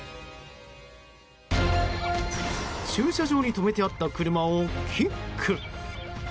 駐車場に止めてあった車をキック！